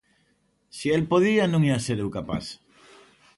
Se el podía, non ía ser eu capaz?